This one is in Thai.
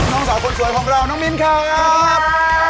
น้องสาวคนสวยของเราน้องมิ้นครับ